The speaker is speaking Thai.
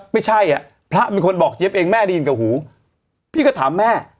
ไม่ใช่อ่ะพระเป็นคนบอกเจี๊ยบเองแม่ได้ยินกับหูพี่ก็ถามแม่